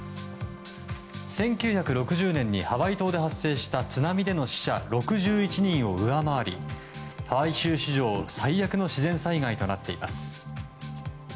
１９６０年にハワイ島で発生した津波での死者６１人を上回りハワイ州史上最悪の自然災害となっています。